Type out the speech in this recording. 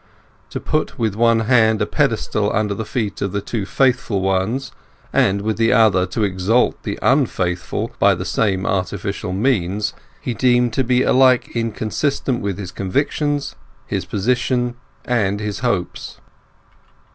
To put with one hand a pedestal under the feet of the two faithful ones, and with the other to exalt the unfaithful by the same artificial means, he deemed to be alike inconsistent with his convictions, his position, and his hopes.